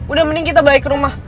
udah mending kita balik ke rumah